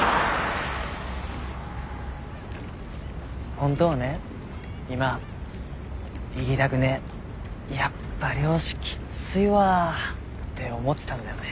本当はね今行ぎだぐねえやっぱ漁師きっついわって思ってだんだよね。